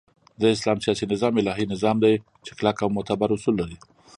د اسلام سیاسی نظام الهی نظام دی چی کلک او معتبر اصول لری